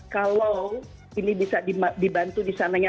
kalau ini bisa dibantu disananya